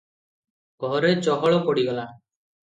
ଘରେ ଚହଳ ପଡ଼ିଗଲା ।